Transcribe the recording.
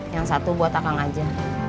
yang satu buat akang aja